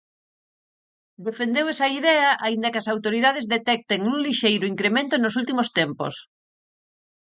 Defendeu esa idea aínda que as autoridades detecten un lixeiro incremento nos últimos tempos.